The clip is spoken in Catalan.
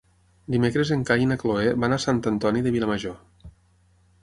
Dimecres en Cai i na Cloè van a Sant Antoni de Vilamajor.